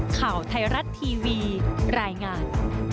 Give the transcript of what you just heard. ข่าวไทยรัฐทีวีรายงาน